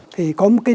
thì có một cái địa chỉ